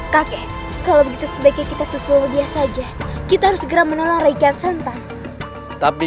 kakek kalau begitu sebaiknya kita susul dia saja kita harus segera menolong rakyat santang tapi